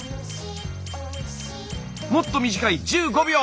もっと短い１５秒！